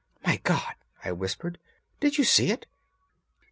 "My God!" I whispered; "did you see it?"